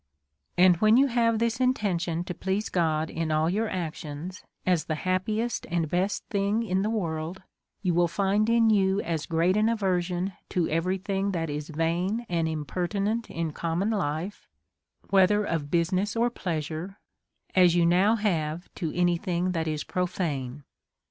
And when you have this inten tion to please God in ail your actions, as the happiest and best thing in the world, you will find in you as great an aversion to every thing that is vam and im pertinent in common life, whether of business or plea sure, as you now have to any thing that is profane.